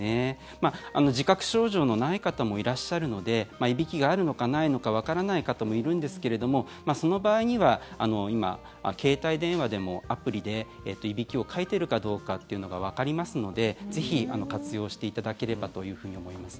自覚症状のない方もいらっしゃるのでいびきがあるのか、ないのかわからない方もいるんですけれどその場合には今、携帯電話でも、アプリでいびきをかいているかどうかっていうのがわかりますのでぜひ活用していただければというふうに思います。